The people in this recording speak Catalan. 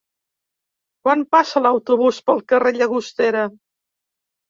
Quan passa l'autobús pel carrer Llagostera?